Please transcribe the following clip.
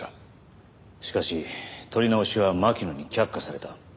しかし撮り直しは巻乃に却下された。